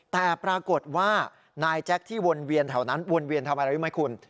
แต่ปรากฏว่านายแจ็คที่วนเวียนแถวนั้นวนเวียนทำอะไรรู้ไหมคุณ